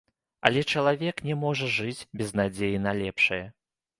Але чалавек не можа жыць без надзеі на лепшае.